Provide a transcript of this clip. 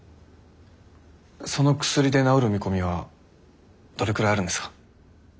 その薬で治る見込みはどれくらいあるんですか？